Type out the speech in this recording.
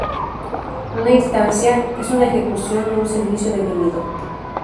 Una "instancia" es una ejecución de un servicio definido.